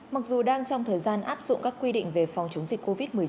mặc dù đang trong thời gian áp dụng các quy định về phòng chống dịch covid một mươi chín